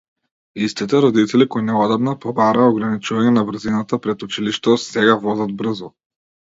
Истите родители кои неодамна побараа ограничување на брзината пред училиштето, сега возат брзо.